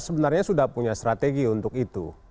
sebenarnya sudah punya strategi untuk itu